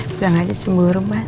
belang aja semburung mas